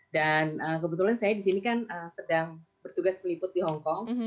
dan kebetulan saya di sini kan sedang bertugas meliput di hongkong